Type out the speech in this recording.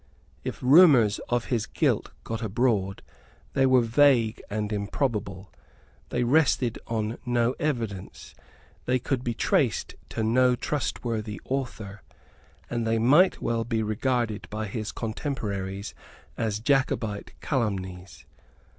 If rumours of his guilt got abroad, they were vague and improbable; they rested on no evidence; they could be traced to no trustworthy author; and they might well be regarded by his contemporaries as Jacobite calumnies.